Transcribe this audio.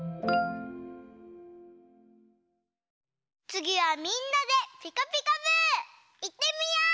つぎはみんなで「ピカピカブ！」いってみよう！